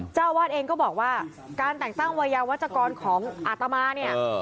เจ้าอาวาสเองก็บอกว่าการแต่งตั้งวัยยาวัชกรของอาตมาเนี่ย